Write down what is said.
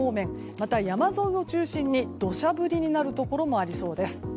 また、山沿いを中心に土砂降りになるところもありそうです。